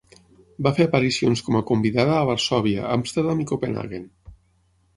Va fer aparicions com a convidada a Varsòvia, Amsterdam i Copenhaguen.